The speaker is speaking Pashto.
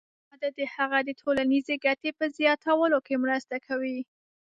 د ژبې وده د هغې د ټولنیزې ګټې په زیاتولو کې مرسته کوي.